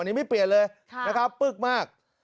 อันนี้ไม่เปลี่ยนเลยนะครับปึ๊กมาก